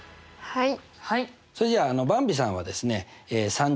はい。